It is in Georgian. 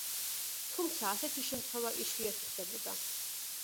თუმცა, ასეთი შემთხვევა იშვიათი ხდებოდა.